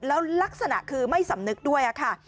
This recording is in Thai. แล้วลักษณะคือไม่สำนึกด้วยค่ะ